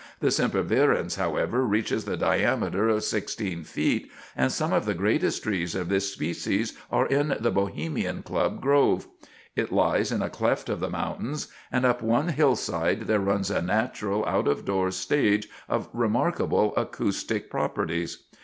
The sempervirens, however, reaches the diameter of 16 feet, and some of the greatest trees of this species are in the Bohemian Club grove. It lies in a cleft of the mountains: and up one hillside there runs a natural out of doors stage of remarkable acoustic properties.